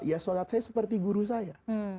ya sholat saya seperti guru saya